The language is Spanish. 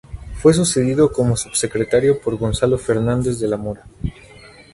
Fue sucedido como subsecretario por Gonzalo Fernández de la Mora.